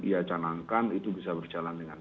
ia canangkan itu bisa berjalan dengan